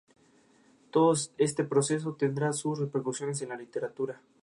Todo este proceso tendrá sus repercusiones en la literatura.